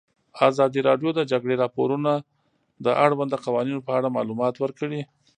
ازادي راډیو د د جګړې راپورونه د اړونده قوانینو په اړه معلومات ورکړي.